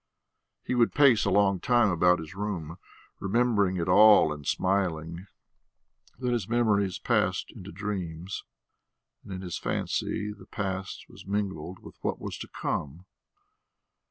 He would pace a long time about his room, remembering it all and smiling; then his memories passed into dreams, and in his fancy the past was mingled with what was to come.